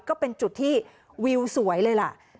ก็เป็นจุดที่วิวสวยเลยล่ะ